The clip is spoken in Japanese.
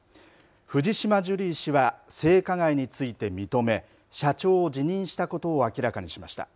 藤島ジュリー氏は性加害について認め社長を辞任したことを明らかにしました。